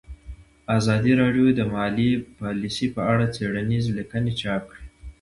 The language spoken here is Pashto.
ازادي راډیو د مالي پالیسي په اړه څېړنیزې لیکنې چاپ کړي.